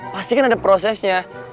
pasti kan ada prosesnya